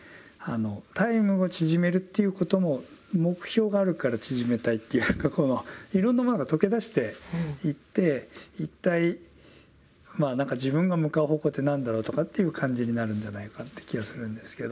タイムを縮めるっていうことも目標があるから縮めたいっていうかいろんなものが溶け出していって一体まあ何か自分が向かう方向って何だろうとかっていう感じになるんじゃないかって気がするんですけど。